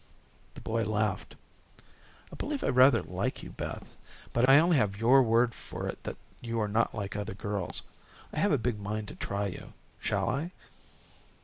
'" The boy laughed. "I believe I rather like you, Beth, but I only have your word for it that you are not like other girls. I have a big mind to try you. Shall I?"